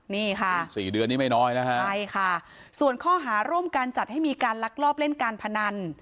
นี่ค่ะสี่เดือนนี้ไม่น้อยนะฮะใช่ค่ะส่วนข้อหาร่วมการจัดให้มีการลักลอบเล่นการพนัน